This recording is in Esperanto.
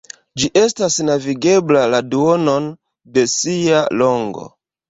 Ĝi estas navigebla la duonon de sia longo.